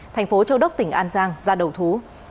tp châu đốc tỉnh an giang ra đầu thú